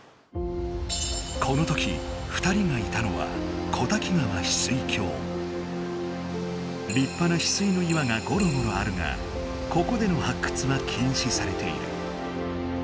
この時２人がいたのは立派なヒスイの岩がゴロゴロあるがここでのはっくつは禁止されている。